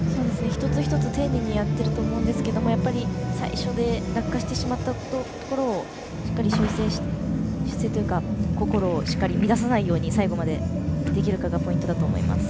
一つ一つ丁寧にやっていると思うんですがやっぱり最初で落下してしまったところをしっかり修正というか心をしっかり乱さないように最後までできるかがポイントだと思います。